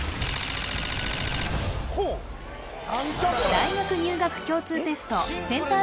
大学入学共通テストセンター